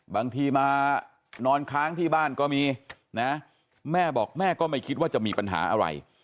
บางทีมานอนค้างที่บ้านก็มีนะแม่บอกแม่ก็ไม่คิดว่าจะมีปัญหาอะไร